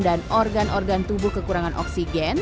dan organ organ tubuh kekurangan oksigen